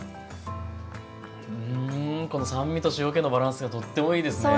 うんこの酸味と塩けのバランスがとってもいいですね。